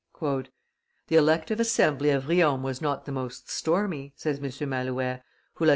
"The elective assembly of Riom was not the most stormy," says M. Malouet, who, like M.